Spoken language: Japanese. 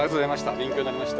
勉強になりました